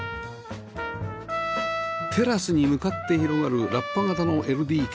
テラスに向かって広がるラッパ形の ＬＤＫ